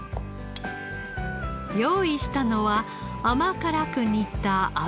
用意したのは甘辛く煮た油揚げ。